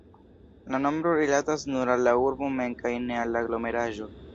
La nombro rilatas nur al la urbo mem kaj ne al la aglomeraĵo.